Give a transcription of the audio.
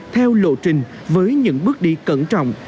theo lộ trình với những bước đi cẩn trọng